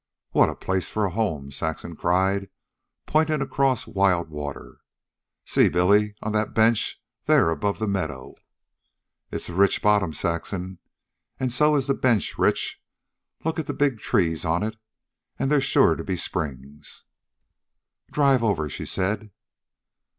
"Oh, what a place for a home," Saxon cried, pointing across Wild Water. "See, Billy, on that bench there above the meadow." "It's a rich bottom, Saxon; and so is the bench rich. Look at the big trees on it. An' they's sure to be springs." "Drive over," she said.